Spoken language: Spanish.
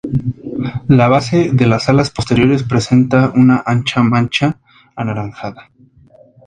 La base de las alas posteriores presenta una ancha mancha anaranjada.